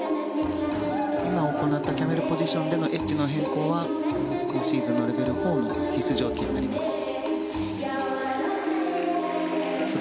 今行ったキャメルポジションでのエッジの変更は今シーズンのレベル４の必須条件になります。